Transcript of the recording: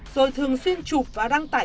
rồi thường xuyên chụp và đăng tải